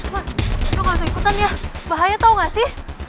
pak lu gak usah ikutan ya bahaya tau gak sih